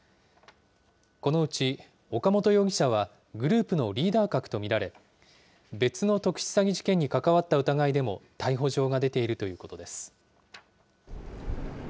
このうち、岡本容疑者は、グループのリーダー格と見られ、別の特殊詐欺事件に関わった疑いでも逮捕状が出ているということです。